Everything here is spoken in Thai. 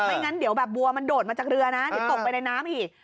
งั้นเดี๋ยวแบบบัวมันโดดมาจากเรือนะเดี๋ยวตกไปในน้ำอีก